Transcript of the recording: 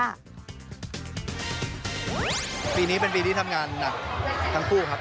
ปีนี้เป็นปีที่ทำงานหนักทั้งคู่ครับ